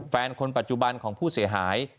แฟนคนปัจจุบันของผู้เสียหาย